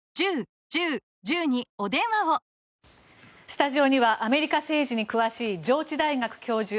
スタジオにはアメリカ政治に詳しい上智大学教授